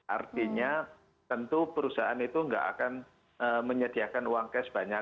artinya tentu perusahaan itu nggak akan menyediakan uang cash banyak